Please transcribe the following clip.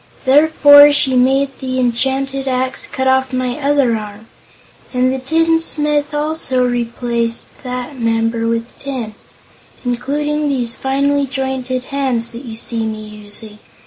Therefore she made the enchanted axe cut off my other arm, and the tinsmith also replaced that member with tin, including these finely jointed hands that you see me using.